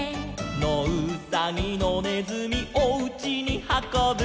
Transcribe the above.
「のうさぎのねずみおうちにはこぶ」